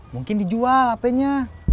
mungkin dijual hp nya